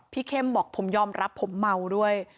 เข้มบอกผมยอมรับผมเมาด้วย